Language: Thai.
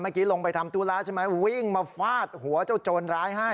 เมื่อกี้ลงไปทำธุระใช่ไหมวิ่งมาฟาดหัวเจ้าโจรร้ายให้